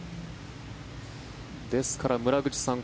ですから、村口さん